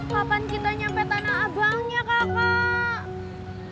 kapan kita nyampe tanah abangnya kakak